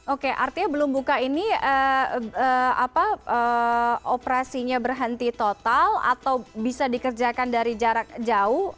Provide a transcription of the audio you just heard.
oke artinya belum buka ini operasinya berhenti total atau bisa dikerjakan dari jarak jauh